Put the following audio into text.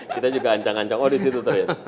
kita juga ancang ancang oh disitu tadi